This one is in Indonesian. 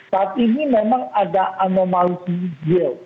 saat ini memang ada anomalisi yield